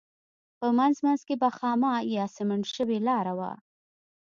په منځ منځ کې به خامه یا سمنټ شوې لاره وه.